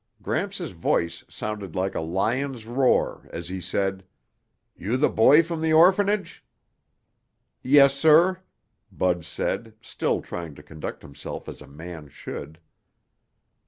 Gramps' voice sounded like a lion's roar as he said, "You the boy from the orphanage?" "Yes, sir," Bud said, still trying to conduct himself as a man should.